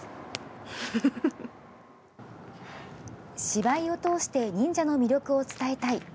芝居を通して忍者の魅力を伝えたい。